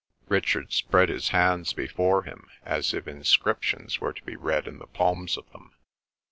Richard spread his hands before him, as if inscriptions were to be read in the palms of them.